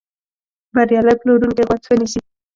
بریالی پلورونکی غوږ ښه نیسي.